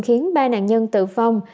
khiến ba nạn nhân tử vong